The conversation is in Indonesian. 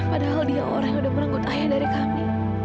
padahal dia orang yang udah merenggut ayah dari kami